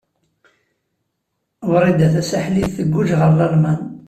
Wrida Tasaḥlit tguǧǧ ɣer Lalman.